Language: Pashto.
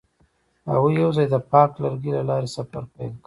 هغوی یوځای د پاک لرګی له لارې سفر پیل کړ.